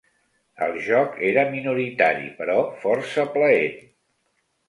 El joc era minoritari, però força plaent.